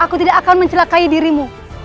aku tidak akan mencelakai dirimu